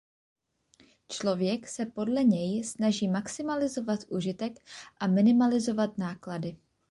Člověk se podle něj snaží maximalizovat užitek a minimalizovat náklady.